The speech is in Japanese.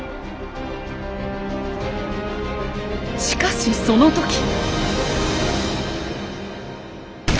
しかしその時。